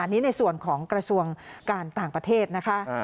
อันนี้ในส่วนของกระทรวงการต่างประเทศนะคะ